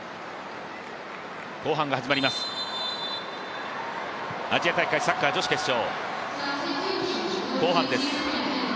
後半が始まります、アジア大会サッカー女子決勝。